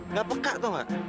nggak peka tau nggak